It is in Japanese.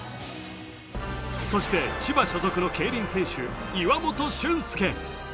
そして、千葉所属の競輪選手、岩本俊介。